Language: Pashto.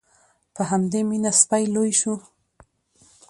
په همدې مینه سپی لوی شو.